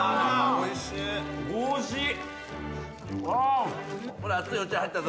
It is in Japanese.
・おいしい。